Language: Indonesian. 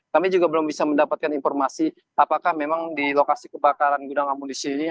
kami juga belum bisa mendapatkan informasi apakah memang di lokasi kebakaran gudang amunisi ini